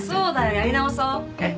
やり直そうえっ？